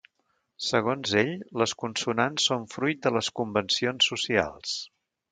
Segons ell, les consonants són fruit de les convencions socials.